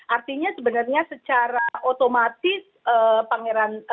artinya sebenarnya secara otomatis pangeran